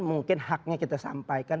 mungkin haknya kita sampaikan